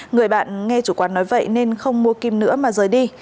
người bạn nghe chủ quán nói vậy nên không mua kim nữa mà rời đi